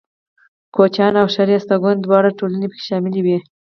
کوچيان او ښاري استوگن دواړه ټولنې پکې شاملې وې.